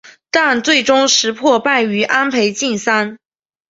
但最终石破败于安倍晋三。